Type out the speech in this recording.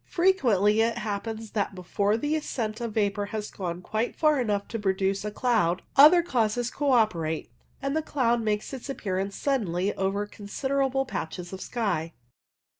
Frequently it happens that before the ascent of vapour has gone quite far enough to produce a cloud, other causes co operate, and the cloud makes its appearance suddenly over considerable patches of sky.